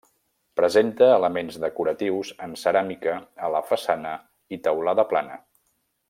Presenta elements decoratius en ceràmica a la façana i teulada plana.